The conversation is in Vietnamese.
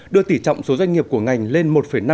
đưa tỷ trọng số doanh nghiệp của ngành lên một năm